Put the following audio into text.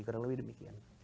kurang lebih demikian